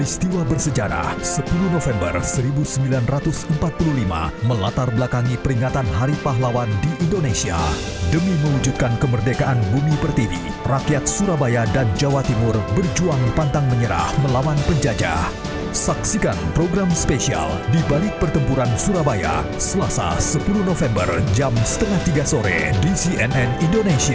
sebuah yang kita tetap merdeka atau mati